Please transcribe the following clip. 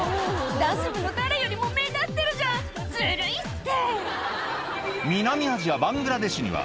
ダンス部の誰よりも目立ってるじゃんズルいって！